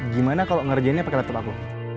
gimana kalau ngerjainnya pakai laptop aku